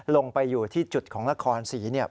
ลงไปอยู่ที่จุดของนครศรีเนี่ย